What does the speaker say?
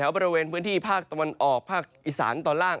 บริเวณพื้นที่ภาคตะวันออกภาคอีสานตอนล่าง